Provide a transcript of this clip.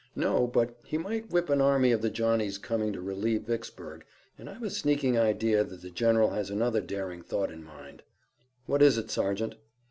"No, but he might whip an army of the Johnnies coming to relieve Vicksburg, and I've a sneaking idea that the General has another daring thought in mind." "What is it, Sergeant?"